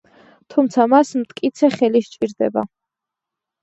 თუმცა მას მტკიცე ხელი სჭირდება.